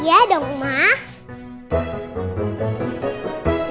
iya dong mbak